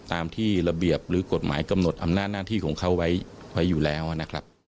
ตามที่ระเบียบหรือกฎหมายกำหนดอำนาจหน้าที่ของเขาไว้อยู่แล้วนะครับ